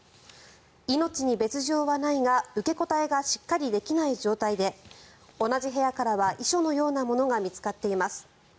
命に別条はないが、受け答えがしっかりできない状態で同じ部屋からは遺書のようなものが見つかっています。